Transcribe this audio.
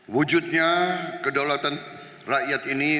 wujudnya kedaulatan rakyat ini